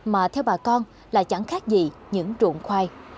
mà theo bà con là chẳng khác gì những trụng khoai